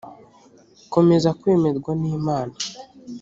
komeza kwemerwa n imana